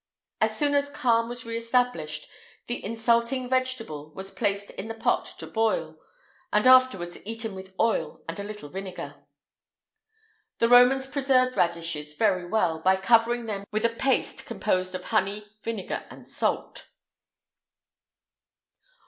[IX 169] As soon as calm was re established, the insulting vegetable was placed in the pot to boil, and afterwards eaten with oil and a little vinegar.[IX 170] The Romans preserved radishes very well, by covering them with a paste composed of honey, vinegar, and salt.